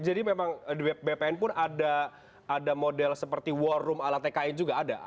memang di bpn pun ada model seperti war room ala tkn juga ada